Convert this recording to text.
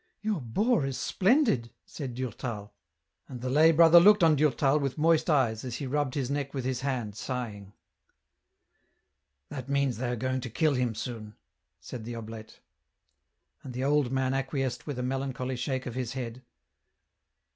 " Your boar is splendid !" said Durtal. Q2 228 EN ROUTE. And the lay brother looked on Durtal with moist eyes as he rubbed his neck with his hand, sighing. " That means they are going to kill him soon," said the oblate. And the old man acquiesced with a melancholy shake of his head.